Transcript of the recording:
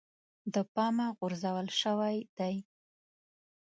د پامه غورځول شوی دی.